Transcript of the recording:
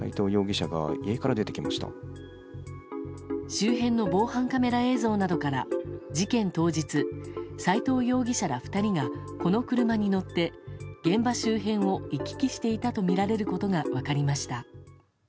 周辺の防犯カメラ映像などから事件当日、斎藤容疑者ら２人がこの車に乗って現場周辺を行き来していたとみられることが分かりました。